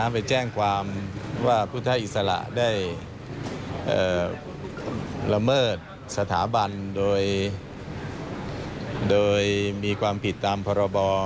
ไปแจ้งความว่าพุทธอิสระได้ละเมิดสถาบันโดยมีความผิดตามพรบ